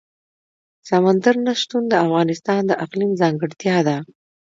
سمندر نه شتون د افغانستان د اقلیم ځانګړتیا ده.